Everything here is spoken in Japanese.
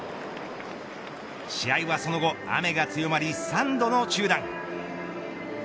試合はその後、雨が強まり３度の中断。